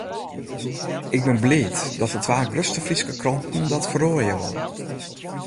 Ik bin bliid dat de twa grutste Fryske kranten dat feroarje wolle.